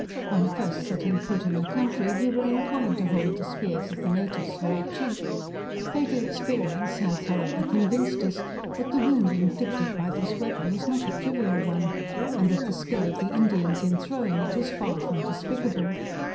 On first setting foot in the country, we were inclined to hold the spears of the natives very cheap. Fatal experience has, however, convinced us, that the wound inflicted by this weapon is not a trivial one; and that the skill of the Indians in throwing it, is far from despicable.